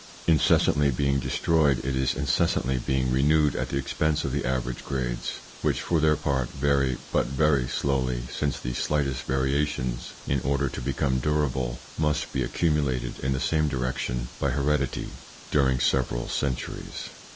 Incessantly being destroyed, it is incessantly being renewed at the expense of the average grades, which, for their part, vary but very slowly, since the slightest varia tions, in order to become durable, must be accumu lated in the same direction by heredity during several centuries.